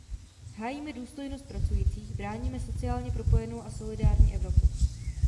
Hájíme důstojnost pracujících, bráníme sociálně propojenou a solidární Evropu.